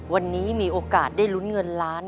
วันนี้มีโอกาสได้ลุ้นเงินล้าน